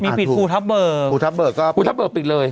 มีผู้ทับเบอร์ถูกผู้ทับเบอร์ปิดเลย